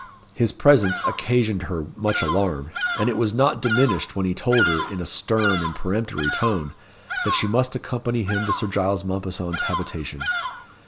His presence occasioned her much alarm, and it was not diminished when he told her, in a stern, and peremptory tone, that she must accompany him to Sir Giles Mompesson's habitation.